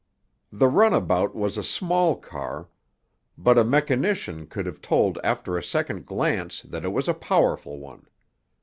The runabout was a small car, but a mechanician could have told after a second glance that it was a powerful one.